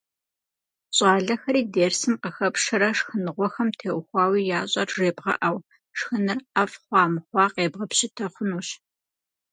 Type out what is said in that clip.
Щӏалэхэри дерсым къыхэпшэрэ шхыныгъуэхэм теухуауэ ящӏэр жебгъэӏэу, шхыныр ӏэфӏ хъуа-мыхъуа къебгъэпщытэ хъунущ.